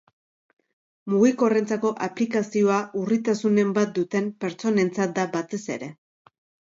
Mugikorrentzako aplikazioa urritasunen bat duten pertsonentzat da batez ere.